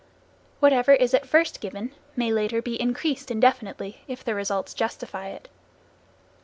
Whatever is at first given may later be increased indefinitely, if the results justify it.